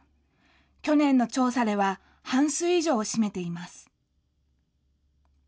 去年の調査では、半数以上を占めています。